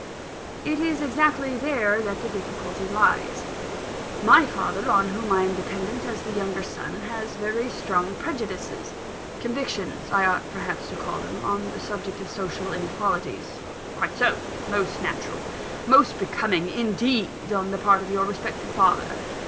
"It is exactly there that the difficulty lies. My father, on whom I am dependent as the younger son, has very strong prejudices convictions I ought perhaps to call them on the subject of social inequalities." "Quite so most natural; most becoming, indeed, on the part of your respected father.